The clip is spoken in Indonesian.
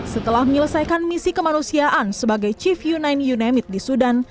setelah menyelesaikan misi kemanusiaan sebagai chief united unit di sudan